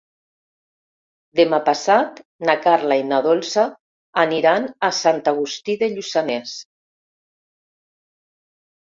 Demà passat na Carla i na Dolça aniran a Sant Agustí de Lluçanès.